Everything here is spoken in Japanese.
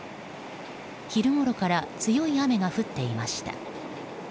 昼ごろから強い雨が降っていました。